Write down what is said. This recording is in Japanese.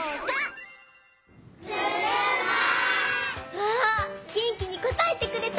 わあげんきにこたえてくれた！